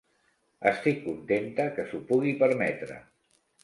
Estic contenta que s'ho pugui permetre.